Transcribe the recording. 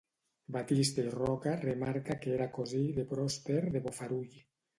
Batista i Roca remarca que era cosí de Pròsper de Bofarull.